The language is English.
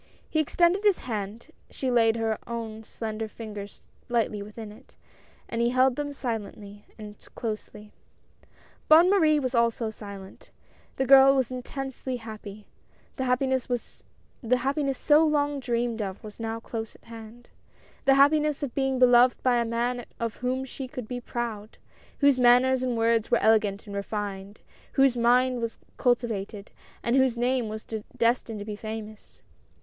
He extended his hand; she laid her own slender fingers lightly within it, and he held them silently and closely. QUARRELS AND INSULTS. 165 Bonne Marie was also silent. The girl was intensely happy. The happiness so long dreamed of was now close at hand. The happiness of being beloved by a man of whom she could be proud ; whose manners and words were elegant and refined ; whose mind was culti vated, and whose name was destined to be famous.